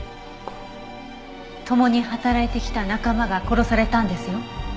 共に働いてきた仲間が殺されたんですよ。